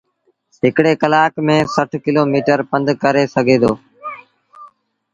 هڪڙي ڪلآڪ ميݩ سٺ ڪلو ميٚٽر پنڌ ڪري سگھي دو۔